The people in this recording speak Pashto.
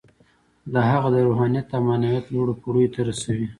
دا هغه د روحانیت او معنویت لوړو پوړیو ته رسوي